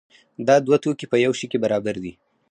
دا دوه توکي په یو شي کې برابر دي.